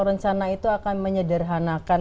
rencana itu akan menyederhanakan